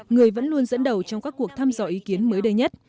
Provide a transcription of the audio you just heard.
người vẫn luôn dẫn đầu trong các cuộc thăm dò ý kiến mới đây nhất